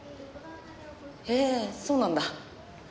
へえそうなんだ。